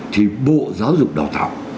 thì bộ giáo dục đào tạo